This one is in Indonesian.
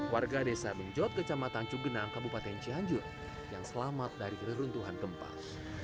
warga desa bengjot kecamatan cugenang kabupaten cianjur yang selamat dari reruntuhan gempal